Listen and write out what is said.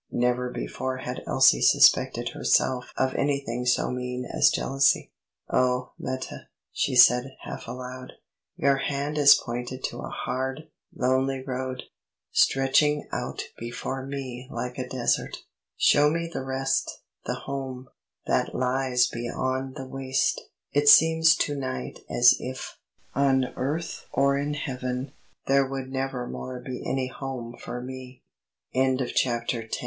Never before had Elsie suspected herself of anything so mean as jealousy. "Oh, Meta," she said, half aloud, "your hand has pointed to a hard, lonely road, stretching out before me like a desert! Show me the rest the home that lies beyond the waste! It seems to night as if, on earth or in heaven, there would never more be any home for me." CHAPTER XI MRS. VERDON "We know too much of Love ere we love. We can trace N